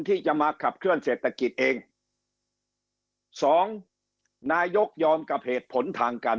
ที่จะมาขับเคลื่อเศรษฐกิจเองสองนายกยอมกับเหตุผลทางการ